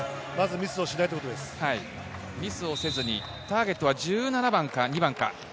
ミスをせずにターゲットは１７番か２番か。